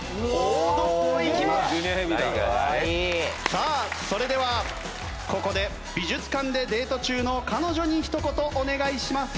さあそれではここで美術館でデート中の彼女にひと言お願いします。